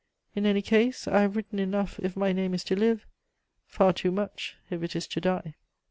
In any case, I have written enough if my name is to live; far too much if it is to die."